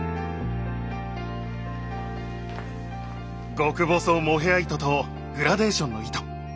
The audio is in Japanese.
極細モヘア糸とグラデーションの糸。